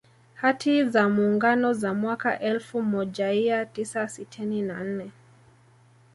Hati za Muungano za mwaka elfu mojaia Tisa sitini na nne